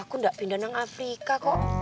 aku gak pindah ke afrika kok